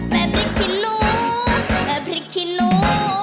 แม่พริกขี้หนูแม่พริกขี้หนู